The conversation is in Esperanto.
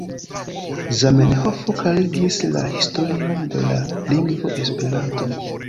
Zamenhof klarigis la historion de la lingvo Esperanto.